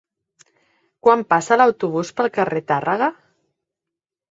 Quan passa l'autobús pel carrer Tàrrega?